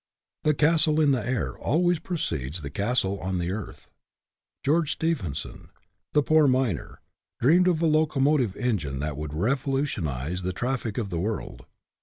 The castle in the air always precedes the castle on the earth. George Stephenson, the poor miner, dreamed of a locomotive engine that would revolutionize the traffic of the world.